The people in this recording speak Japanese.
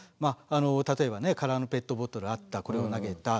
例えばね空のペットボトルあったこれを投げた。